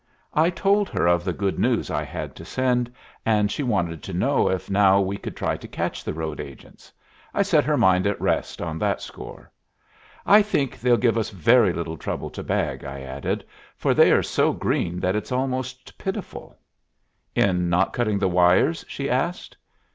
I told her of the good news I had to send, and she wanted to know if now we would try to catch the road agents. I set her mind at rest on that score. "I think they'll give us very little trouble to bag," I added, "for they are so green that it's almost pitiful." "In not cutting the wires?" she asked.